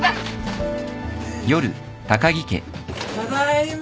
ただいま。